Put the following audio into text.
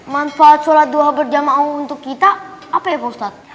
manfaat sholat duha berjamaah untuk kita apa ya pak ustadz